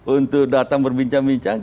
untuk datang berbincang bincang